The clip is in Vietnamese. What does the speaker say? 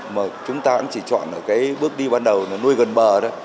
mà chúng ta cũng chỉ chọn ở cái bước đi ban đầu là nuôi gần bờ đó